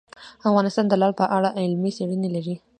افغانستان د لعل په اړه علمي څېړنې لري.